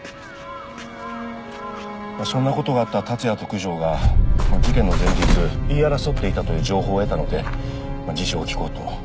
そんなことがあった竜也と九条が事件の前日言い争っていたという情報を得たので事情を聞こうと。